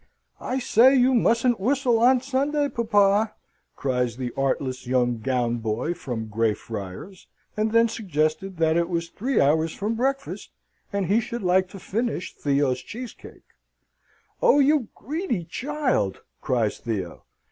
"I say, you mustn't whistle on Sunday, papa!" cries the artless young gown boy from Grey Friars; and then suggested that it was three hours from breakfast, and he should like to finish Theo's cheese cake. "Oh, you greedy child!" cries Theo.